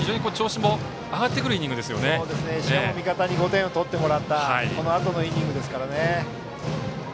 しかも味方に５点を取ってもらったそのあとのイニングですからね。